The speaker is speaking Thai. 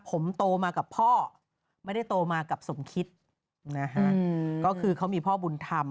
ผมโตมากับพ่อไม่ได้โตมากับสมคิดนะฮะก็คือเขามีพ่อบุญธรรม